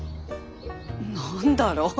何だろ。